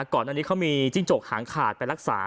ก่อนอันนี้เขามีจิ้งจกหางขาดไปรักษา